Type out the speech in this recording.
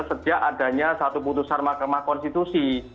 sejak adanya satu putusan mahkamah konstitusi